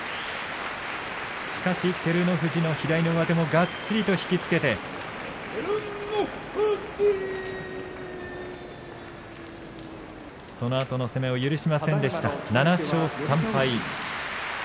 しかし、照ノ富士も左の上手がっちりと引き付けてそのあとの攻めを許しませんでした。